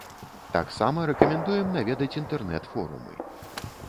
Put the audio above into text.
Таксама рэкамендуем наведаць інтэрнэт-форумы.